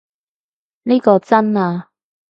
呢個真啊